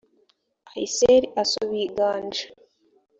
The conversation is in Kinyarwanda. aysel asubiye i ganja